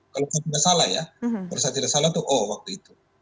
kalau saya tidak salah ya kalau saya tidak salah itu oh waktu itu